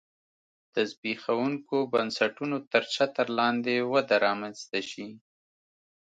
د زبېښونکو بنسټونو تر چتر لاندې وده رامنځته شي